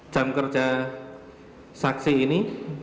jam kerja saksi ini